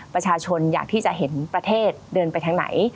ประชาชนอยากที่จะเห็นประเทศเดินไปทางไหน